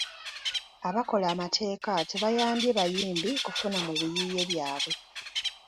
Abakola amateeka tebayambye bayimbi kufuna mu biyiiye byabwe.